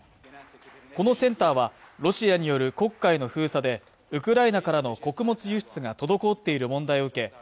このセンターはロシアによる黒海の封鎖でウクライナからの穀物輸出が滞っている問題を受け